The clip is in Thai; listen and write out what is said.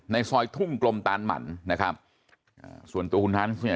ในซอยทุ่งกลมตานหมั่นนะครับอ่าส่วนตัวคุณฮันส์เนี่ย